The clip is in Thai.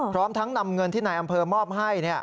พร้อมทั้งนำเงินที่นายอำเภอมอบให้